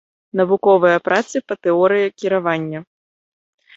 Навуковыя працы па тэорыі кіравання.